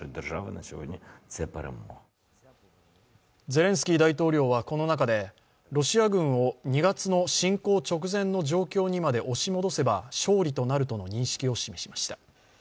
ゼレンスキー大統領はこの中で、ロシア軍を２月の侵攻直前の状況にまで押し戻せば勝利になるとの認識を示しました。